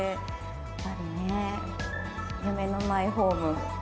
やっぱりね、夢のマイホーム。